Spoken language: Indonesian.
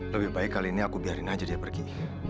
lebih baik kali ini aku biarin aja dia pergi